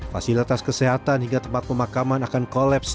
fasilitas kesehatan hingga tempat pemakaman akan kolaps